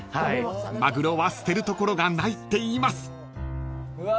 ［マグロは捨てる所がないっていいます］